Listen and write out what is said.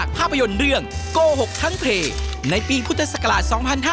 ภาพยนตร์เรื่องโกหกทั้งเพลงในปีพุทธศักราช๒๕๕๙